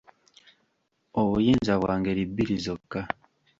Obuyinza bwa ngeri bbiri zokka